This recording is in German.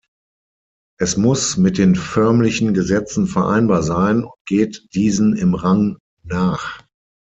Es muss mit den förmlichen Gesetzen vereinbar sein und geht diesen im Rang nach.